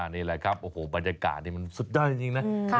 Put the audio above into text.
นี่แหละครับโอ้โหบรรยากาศนี่มันสุดยอดจริงนะ